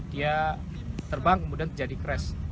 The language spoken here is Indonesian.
dia terbang kemudian jadi kres